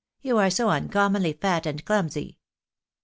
You are so uncommonly fat and clumsy."